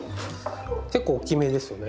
結構大きめですよね。